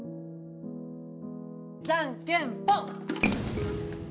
じゃんけんぽん！